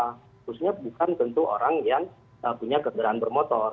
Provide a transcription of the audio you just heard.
harusnya bukan tentu orang yang punya senderan bermotor